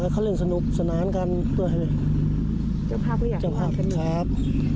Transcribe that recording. ครับ